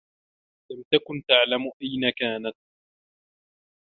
لم تكن تعلم أين كانت.